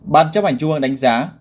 ban chấp hành trung ương đánh giá